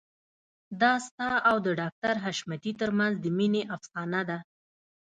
دا ستا او د ډاکټر حشمتي ترمنځ د مينې افسانه ده